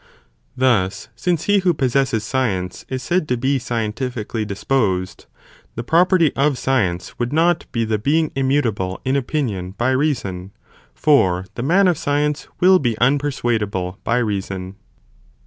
Thus, since he who pos sesses science is said.to be scientifically disposed, the property of science would not be the being immutable in opinion by reason, for the man of science will be unpersuadable by rea son.